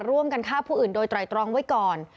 ร่วมกันฆ่าผู้อื่นโดยไตรตรองไว้ก่อน